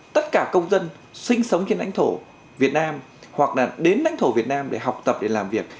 tất cả công dân sinh sống trên lãnh thổ việt nam hoặc là đến đánh thổ việt nam để học tập để làm việc